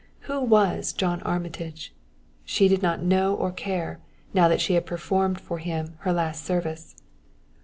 Who was John Armitage? She did not know or care, now that she had performed for him her last service.